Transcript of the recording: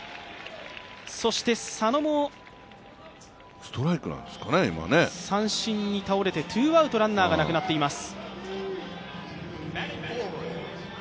佐野も三振に倒れて、ツーアウト、ランナーがなくなっています。